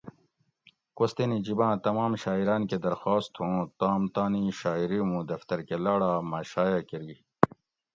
کوستینی جِباں تمام شاعراۤن کہ درخواست تھوؤں تام تانی شاعِری موں دفتر کہ لاڑا مہ شایٔع کری